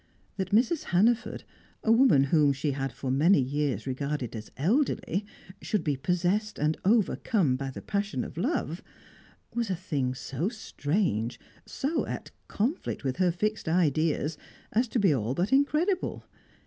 That Mrs. Hannaford, a woman whom she had for many years regarded as elderly, should be possessed and overcome by the passion of love, was a thing so strange, so at conflict with her fixed ideas, as to be all but incredible.